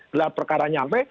dalam perkara nyampe